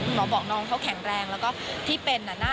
หมอบอกน้องเขาแข็งแรงแล้วก็ที่เป็นน่ะ